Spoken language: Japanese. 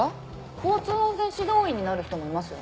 交通安全指導員になる人もいますよね。